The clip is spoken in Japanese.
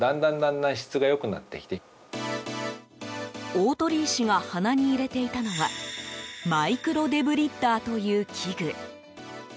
鴻医師が鼻に入れていたのはマイクロデブリッダーという器具。